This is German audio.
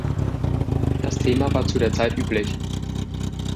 Das Thema war zu der Zeit üblich.